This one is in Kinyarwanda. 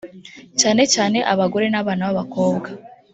cyane cyane abagore n’abana b’abakobwa